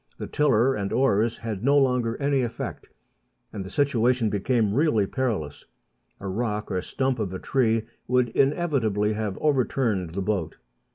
The tiller and oars had no longer any effect, and the situation became really perilous ; a rock or stump of a tree would inevitably have overturned the boat.